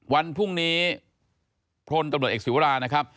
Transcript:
วันพรุ่งนี้พลตำรวจเอกศิวรานะครับ